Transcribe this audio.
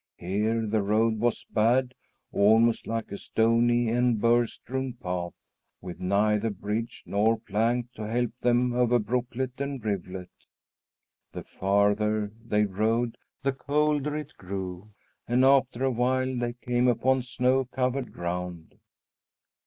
Here the road was bad, almost like a stony and burr strewn path, with neither bridge nor plank to help them over brooklet and rivulet. The farther they rode, the colder it grew, and after a while they came upon snow covered ground.